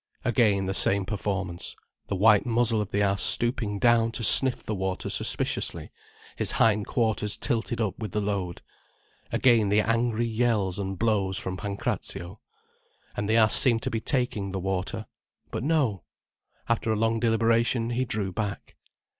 Again the same performance, the white muzzle of the ass stooping down to sniff the water suspiciously, his hind quarters tilted up with the load. Again the angry yells and blows from Pancrazio. And the ass seemed to be taking the water. But no! After a long deliberation he drew back.